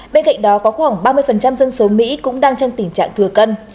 bên cạnh đó có khoảng ba mươi dân số mỹ cũng đang trong tình trạng thừa cân